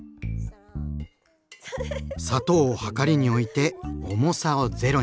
砂糖をはかりに置いて重さをゼロに。